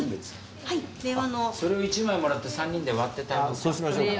それを１枚もらって３人で割って食べましょうか。